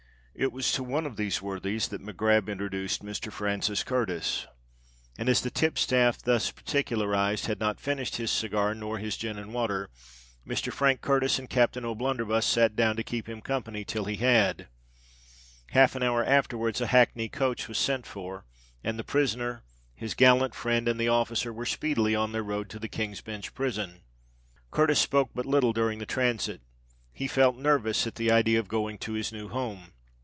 It was to one of these worthies that MacGrab introduced Mr. Francis Curtis; and as the tipstaff thus particularised had not finished his cigar nor his gin and water, Mr. Frank Curtis and Captain O'Blunderbuss sate down to keep him company till he had. Half an hour afterwards a hackney coach was sent for; and the prisoner, his gallant friend, and the officer were speedily on their road to the King's Bench prison. Curtis spoke but little during the transit: he felt nervous at the idea of going to his new home.